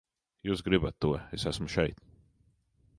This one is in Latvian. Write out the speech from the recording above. Jūs gribat to, es esmu šeit!